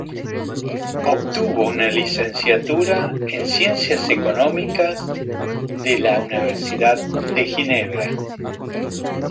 Obtuvo una licenciatura en ciencias económicas de la Universidad de Ginebra.